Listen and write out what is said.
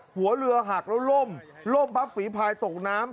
หัวเรือหักแล้วล่มล่มพับฝีพายตกน้ำ